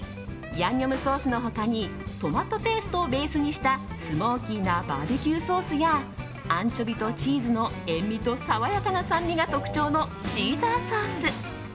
ヤンニョムソースの他にトマトペーストをベースにしたスモーキーなバーべキューソースやアンチョビとチーズの塩みと爽やかな酸味が特徴のシーザーソース。